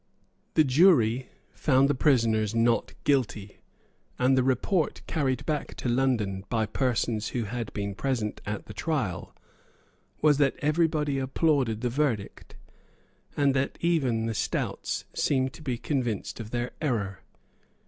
The jury found the prisoners Not guilty; and the report carried back to London by persons who had been present at the trial was that everybody applauded the verdict, and that even the Stouts seemed to be convinced of their error.